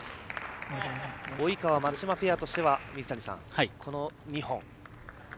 及川、松島ペアとしては水谷さん、この２本。